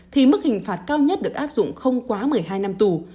thì mức hình phạt cao nhất được áp dụng không quá một mươi hai năm tù